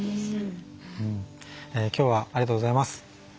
今日はありがとうございます。